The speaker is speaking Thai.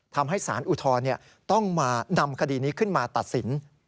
ทำให้สารอุทธรณ์ต้องมานำคดีนี้ขึ้นมาตัดสิน